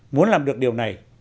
muốn làm được điều này